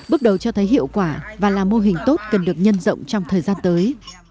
bước đầu cho thấy hiệu quả và là mô hình tốt cần được nhân rộng trong thời gian tới